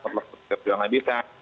telepon petugas juga nggak bisa